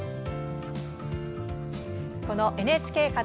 この「ＮＨＫ発！